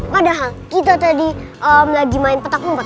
padahal kita tadi lagi main petak empat